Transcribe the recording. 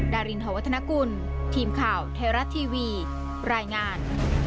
ดารินหอวัฒนกุลทีมข่าวไทยรัฐทีวีรายงาน